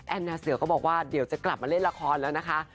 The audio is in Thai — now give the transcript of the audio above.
นานาเสือก็บอกว่าเดี๋ยวจะกลับมาเล่นละครแล้วนะคะ